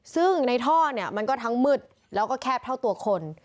ซึ่งในท่อเนี่ยมันก็ทั้งมืดแล้วก็แคบเท่าตัวคน